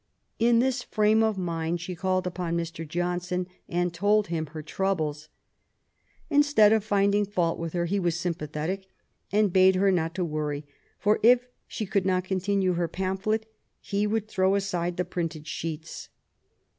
In this frame of mind she called upon Mr. Johnson, and told him her troubles. Instead of finding fault with her, he was sympathetic and bade her not to worry, for if she could not continue her pamphlet he would throw aside the printed sheets.